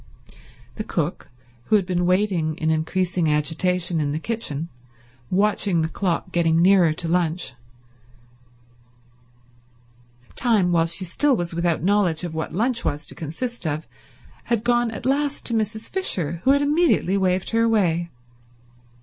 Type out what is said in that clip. The cook, who had been waiting in increasing agitation in the kitchen, watching the clock getting nearer to lunch—time while she still was without knowledge of what lunch was to consist of, had gone at last to Mrs. Fisher, who had immediately waved her away.